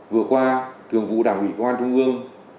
vừa qua thường vụ đảng ủy công an trung ương